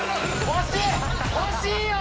惜しいよ！